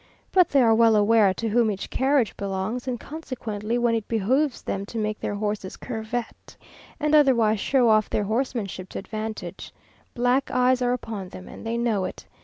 But they are well aware to whom each carriage belongs, and consequently when it behoves them to make their horses curvet, and otherwise show off their horsemanship to advantage. Black eyes are upon them, and they know it.